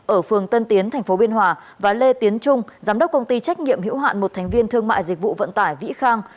ở phường tân tiến tp biên hòa và lê tiến trung giám đốc công ty trách nhiệm hữu hạn một thành viên thương mại dịch vụ vận tải vĩ khang